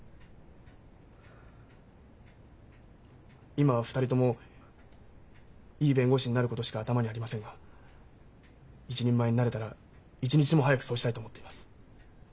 今は２人ともいい弁護士になることしか頭にありませんが一人前になれたら一日も早くそうしたいと思っています。